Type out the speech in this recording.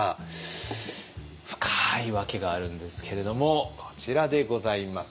深い訳があるんですけれどもこちらでございます。